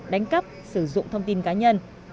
đánh cắp sử dụng thông tin cá nhân